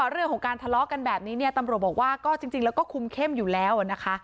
เรื่องของการทะเลาะกันแบบนี้เนี่ยตำรวจบอกว่าก็จริงแล้วก็คุมเข้มอยู่แล้วนะคะ